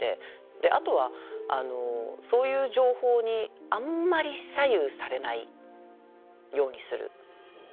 であとはそういう情報にあんまり左右されないようにする。